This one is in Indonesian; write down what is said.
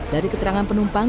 dari keterangan penumpang